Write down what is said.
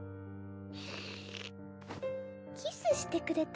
キスしてくれた。